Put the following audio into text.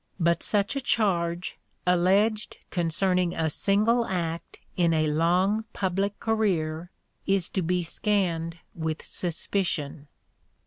But such a charge, alleged concerning a single act in a long public career, is to be scanned with suspicion.